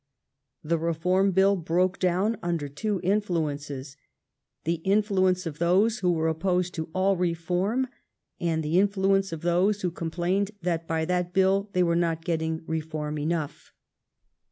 The Reform Bill broke down under two influences — the influence of those who were opposed to all reform, and the influence of those who complained that by that bill they were not getting reform enough.